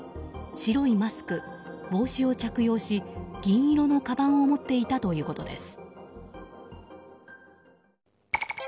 白いマスク、帽子を着用し銀色のかばんを持っていたということです。